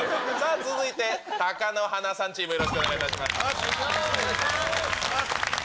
続いて貴乃花さんチーム、よろしくお願いします。